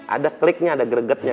ada kliknya ada gregetnya